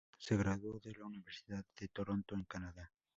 Se graduó de la Universidad de Toronto, en Canadá.